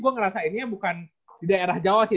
gue ngerasa ini bukan di daerah jawa sih